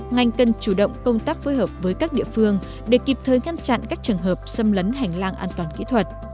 ngành cần chủ động công tác phối hợp với các địa phương để kịp thời ngăn chặn các trường hợp xâm lấn hành lang an toàn kỹ thuật